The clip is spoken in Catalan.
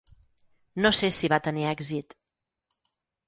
No sé si va tenir èxit.